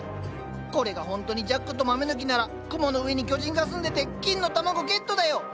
これがほんとに「ジャックと豆の木」なら雲の上に巨人が住んでて金の卵ゲットだよ。